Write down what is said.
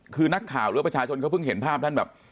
คือนักข่าวหรือประชาชนเขาเพิ่งเห็นภาพท่านแบบ